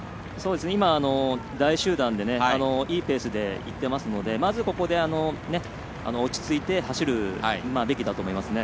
今、大集団でいいペースでいってますのでまず、ここで落ち着いて走るべきだと思いますね。